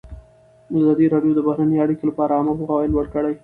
ازادي راډیو د بهرنۍ اړیکې لپاره عامه پوهاوي لوړ کړی.